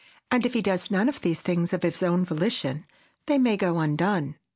And if he does none of these things of his own volition, they may go undone.